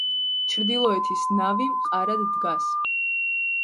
ჩრდილოეთის ნავი მყარად დგას.